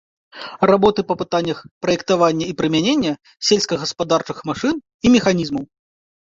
Работы па пытаннях праектавання і прымянення сельскагаспадарчых машын і механізмаў.